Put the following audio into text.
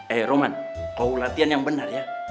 eh roman kau latihan yang benar ya